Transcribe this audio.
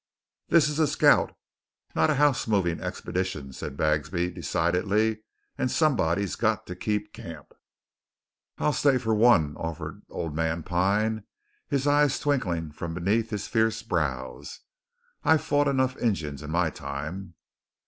"This is a scout, not a house moving expedition," said Bagsby decidedly, "and somebody's got to keep camp." "I'll stay, fer one," offered old man Pine, his eyes twinkling from beneath his fierce brows. "I've fit enough Injuns in my time."